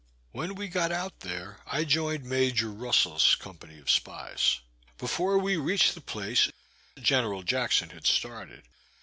When we got out there, I joined Major Russel's company of spies. Before we reached the place, General Jackson had started.